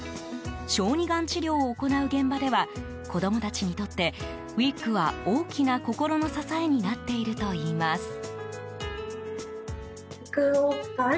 小児がん治療を行う現場では子供たちにとってウィッグは大きな心の支えになっているといいます。